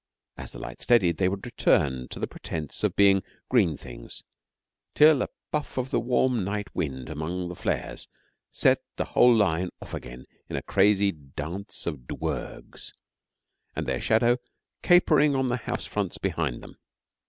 As the light steadied they would return to the pretence of being green things till a puff of the warm night wind among the flares set the whole line off again in a crazy dance of dwergs, their shadows capering on the house fronts behind them.